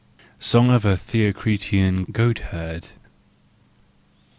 SONG OF A THEOCRITEAN GOATHERD.